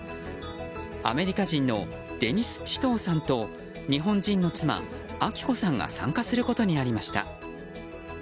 アメリカ人のデニス・チトーさんと日本人の妻・章子さんが参加することになりました。